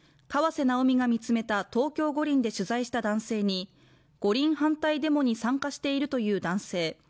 「河瀬直美が見つめた東京五輪」で取材した男性に五輪反対デモに参加しているという男性